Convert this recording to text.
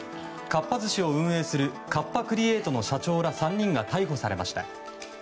かっぱ寿司を運営するカッパ・クリエイトの社長ら３人が逮捕されました。